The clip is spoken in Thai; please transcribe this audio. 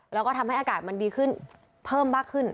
แล้วก็ทำให้อากาศมันดีขึ้นเพิ่มมากขึ้น